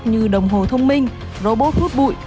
như đồng hồ thông minh robot thuốc bụi